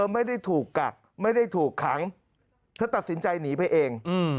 ไม่ได้ถูกกักไม่ได้ถูกขังเธอตัดสินใจหนีไปเอง